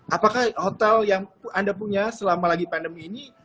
apakah hotel yang anda punya selama lagi pandemi ini